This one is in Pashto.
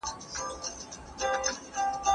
آیا ته کولی شې چې زما کمپیوټر لږ وګورې؟